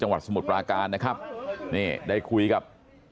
สมุทรปราการนะครับนี่ได้คุยกับ